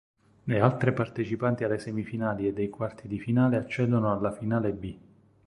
Le altre partecipanti alle semifinali e dei quarti di finale accedono alla finale "B".